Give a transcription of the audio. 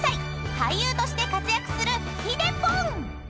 俳優として活躍するひでぽん］